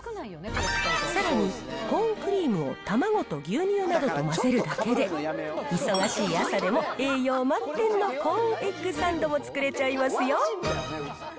さらにコーンクリームを卵と牛乳などと混ぜるだけで、忙しい朝でも栄養満点のコーンエッグサンドも作れちゃいますよ。